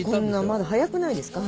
まだ早くないですか？